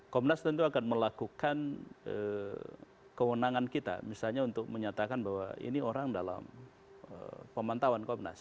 komnas tentu akan melakukan kewenangan kita misalnya untuk menyatakan bahwa ini orang dalam pemantauan komnas